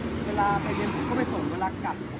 ตอนนี้กำหนังไปคุยของผู้สาวว่ามีคนละตบ